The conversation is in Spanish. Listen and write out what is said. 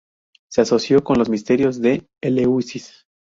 Se asoció con los Misterios de Eleusis.